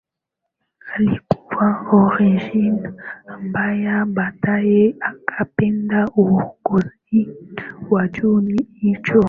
alikuwa Origene ambaye baadaye akapewa uongozi wa chuo hicho